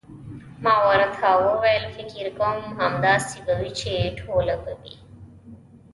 ما ورته وویل: فکر کوم، همداسې به وي، چې ټوله به وي.